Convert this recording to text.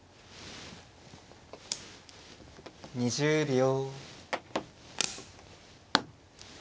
２０秒。